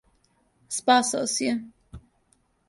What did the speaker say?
Спасао си је.